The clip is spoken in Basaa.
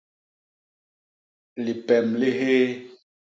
Lipem li hyéé.